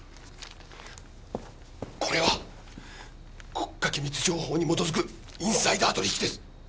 これは国家機密情報に基づくインサイダー取引です